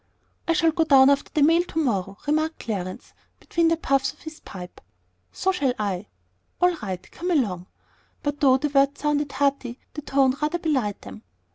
"I shall go down after the mail to morrow," remarked Clarence, between the puffs of his pipe. "So shall I." "All right; come along!" But though the words sounded hearty, the tone rather belied them.